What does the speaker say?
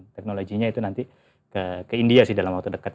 teknologinya itu nanti ke india sih dalam waktu dekat